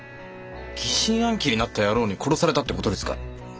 疑心暗鬼になった野郎に殺されたって事ですかい？